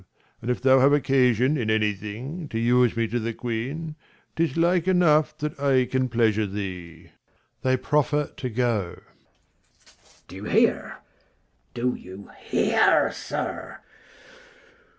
Why then farewell : and if thou have occasion In any thing, to use me to the queen, 'Tis like enough that I can pleasure thee. [They proffer to go. Mess. Do you hear, do you hear, sir